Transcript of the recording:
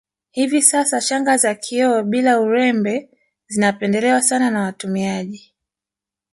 Hivi sasa shanga za kioo bila urembe zinapendelewa sana na watumiaji